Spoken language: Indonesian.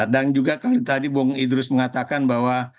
dan juga tadi bang idrus mengatakan bahwa